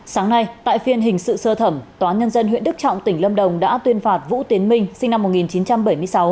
sáng nay tại phiên hình sự sơ thẩm tòa nhân dân huyện đức trọng tỉnh lâm đồng đã tuyên phạt vũ tiến minh sinh năm một nghìn chín trăm bảy mươi sáu